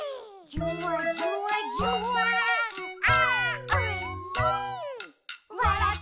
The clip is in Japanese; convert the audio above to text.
「じゅわじゅわじゅわーんあーおいしい！」